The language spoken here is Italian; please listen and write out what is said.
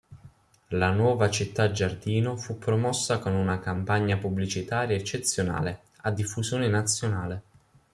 La nuova "città giardino" fu promossa con una campagna pubblicitaria eccezionale, a diffusione nazionale.